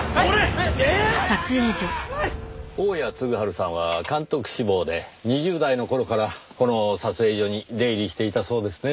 大屋嗣治さんは監督志望で２０代の頃からこの撮影所に出入りしていたそうですね。